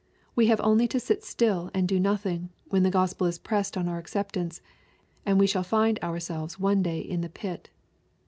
We have only to sit still and do nothing, when the Gospel is pressed on our acceptance^ and we shall find ourselves one day in the pit.